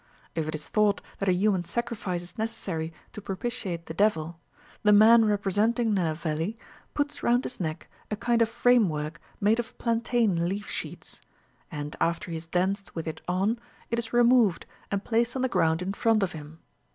If it is thought that a human sacrifice is necessary to propitiate the devil, the man representing Nenaveli puts round his neck a kind of framework made of plantain leaf sheaths; and, after he has danced with it on, it is removed, and placed on the ground in front of him.